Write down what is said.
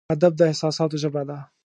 ادب د احساساتو ژبه ده.